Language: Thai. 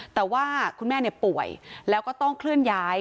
แต่ว่าคุณแม่ป่วยแล้วก็ต้องเคลื่อนย้าย